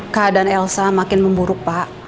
keadaan elsa makin memburuk pak